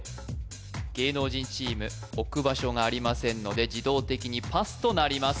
芸能人チーム置く場所がありませんので自動的にパスとなります